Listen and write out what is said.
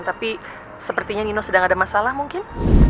tapi sepertinya nino sedang ada masalah mungkin